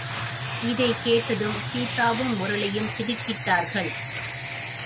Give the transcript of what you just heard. இதைக் கேட்டதும் சீதாவும் முரளியும் திடுக்கிட்டார்கள்.